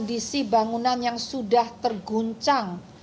kondisi bangunan yang sudah terguncang